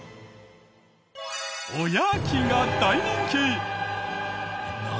おやきが大人気！